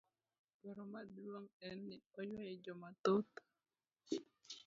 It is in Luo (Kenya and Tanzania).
Dwaro maduong' en ni oywayo jo mathoth.